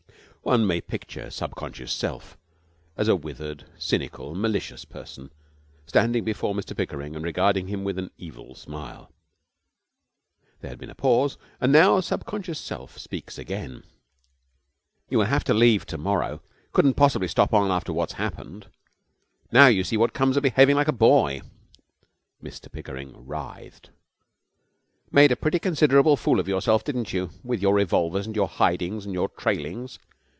One may picture Subconscious Self as a withered, cynical, malicious person standing before Mr Pickering and regarding him with an evil smile. There has been a pause, and now Subconscious Self speaks again: 'You will have to leave to morrow. Couldn't possibly stop on after what's happened. Now you see what comes of behaving like a boy.' Mr Pickering writhed. 'Made a pretty considerable fool of yourself, didn't you, with your revolvers and your hidings and your trailings?